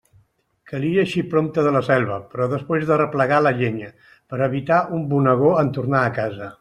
Calia eixir prompte de la selva, però després d'arreplegar la llenya, per a evitar un bonegó en tornar a casa.